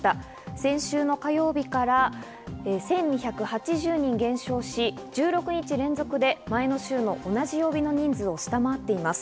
先週の火曜日から１２８０人減少し、１６日連続で前の週の同じ曜日の人数を下回っています。